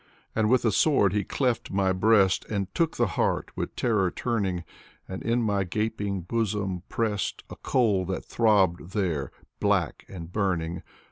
And with a sword he cleft my breast And took the heart with terror turning, And in my gaping bosom pressed A coal that throbbed there, black and burning.